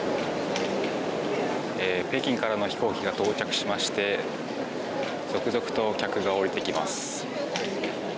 北京からの飛行機が到着しまして続々とお客が降りています。